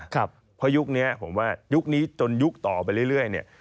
เพราะยุคนี้ผมว่ายุคนี้จนยุคต่อไปเรื่อยเนี่ย